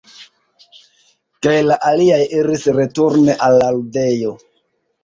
Kaj la aliaj iris returne al la ludejo.